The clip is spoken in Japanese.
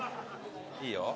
いいよ。